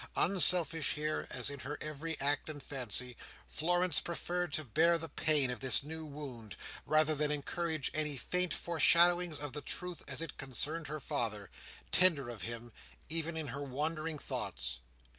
Unselfish here, as in her every act and fancy, Florence preferred to bear the pain of this new wound, rather than encourage any faint foreshadowings of the truth as it concerned her father; tender of him, even in her wandering thoughts.